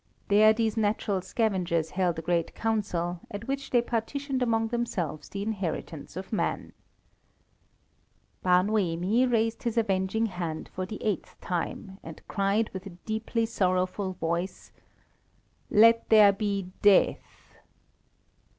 There these natural scavengers held a great council, at which they partitioned among themselves the inheritance of man. Bar Noemi raised his avenging hand for the eighth time, and cried with a deeply sorrowful voice "Let there be death."